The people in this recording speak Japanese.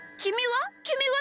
きみは？